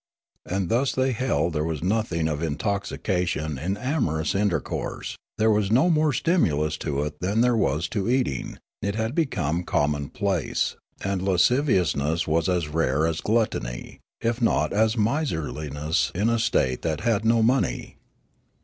And thus they held there was nothing of intoxication in amorous intercourse; there was no more stimulus to it than there was to eating ; it had be come commonplace ; and lasciviousness was as rare as gluttony, if not as miserliness in a state that had no money.